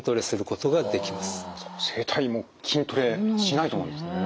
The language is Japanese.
声帯も筋トレしないとなんですね。